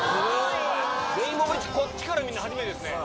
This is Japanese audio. レインボーブリッジこっちから見るの初めてですね。